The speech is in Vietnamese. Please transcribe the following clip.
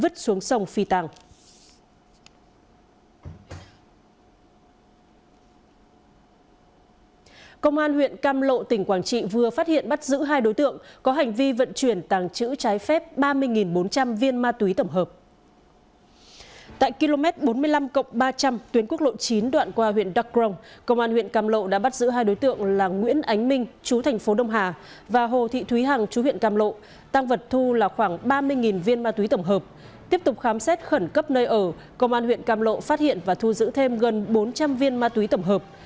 công an huyện càm lộ phát hiện và thu giữ thêm gần bốn trăm linh viên ma túy tổng hợp